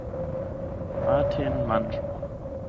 matenmanĝo